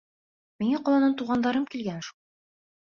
Миңә ҡаланан туғандарым килгән шул.